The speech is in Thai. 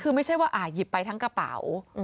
คือไม่ใช่ว่าหยิบไปทั้งกระเป๋า